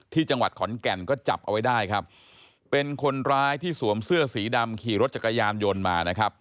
ที่จังหวัดขอนแก่นก็จับเอาไว้ได้ครับเป็นคนร้ายที่สวมเสื้อสีดำขี่รถจักรยานยนต์มานะครับ